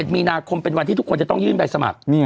มีนาคมเป็นวันที่ทุกคนจะต้องยื่นใบสมัคร